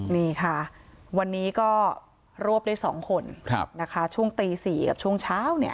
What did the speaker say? นี่ค่ะวันนี้ก็รวบได้๒คนช่วงตี๔กับช่วงเช้า